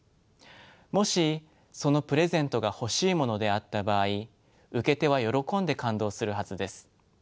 もしそのプレゼントが欲しいものであった場合受け手は喜んで感動するはずです。